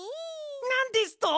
なんですと？